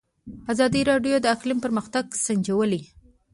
ازادي راډیو د اقلیم پرمختګ سنجولی.